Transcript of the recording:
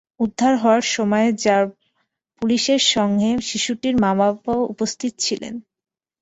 উদ্ধার হওয়ার সময় র্যাব পুলিশের সঙ্গে শিশুটির মা বাবাও উপস্থিত ছিলেন।